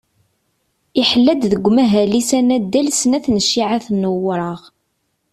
Iḥella-d deg umahil-is anaddal snat n cciεat n wuraɣ.